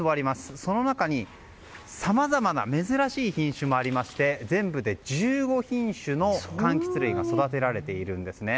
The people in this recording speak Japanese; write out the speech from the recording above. その中に、さまざまな珍しい品種もありまして全部で１５品種のかんきつ類が育てられているんですね。